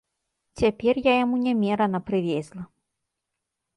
Цяпер я яму нямерана прывезла.